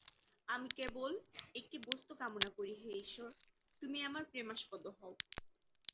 আমি কেবল একটি বস্তু কামনা করি হে ঈশ্বর, তুমি আমার প্রেমাস্পদ হও।